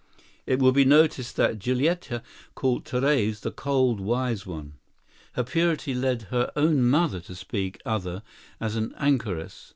It will be noticed that Giulietta called Therese the "cold, wise one." Her purity led her own mother to speak other as an "anchoress."